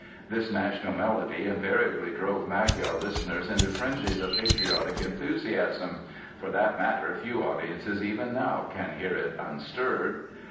This national melody invariably drove Magyar listeners into frenzies of patriotic enthusiasm (for that matter few audiences even now can hear it unstirred).